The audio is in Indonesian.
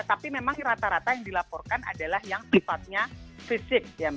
tapi memang rata rata yang dilaporkan adalah yang sifatnya fisik